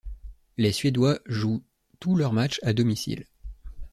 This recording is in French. Les Suédois jouent tous leurs matchs à domicile.